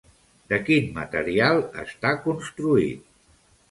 De quin material està construït?